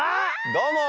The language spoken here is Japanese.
どうも。